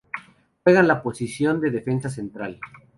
Juega en la posición de defensa central.